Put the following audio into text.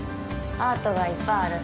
アートがいっぱいある。